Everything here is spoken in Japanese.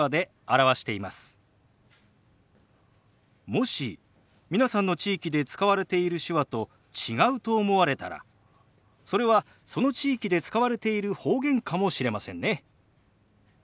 もし皆さんの地域で使われている手話と違うと思われたらそれはその地域で使われている方言かもしれませんね。